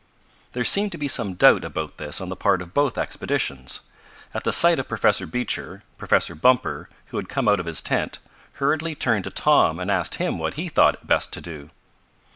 There seemed to be some doubt about this on the part of both expeditions. At the sight of Professor Beecher, Professor Bumper, who had come out of his tent, hurriedly turned to Tom and asked him what he thought it best to do.